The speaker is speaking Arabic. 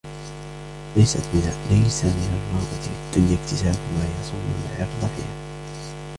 لَيْسَ مِنْ الرَّغْبَةِ فِي الدُّنْيَا اكْتِسَابُ مَا يَصُونَ الْعِرْضَ فِيهَا